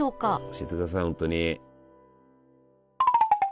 教えてください本当に。